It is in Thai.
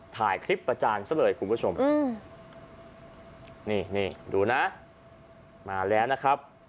ถ่ายคลิปประจานซะเลยคุณผู้ชมนี่นี่ดูนะมาแล้วนะครับ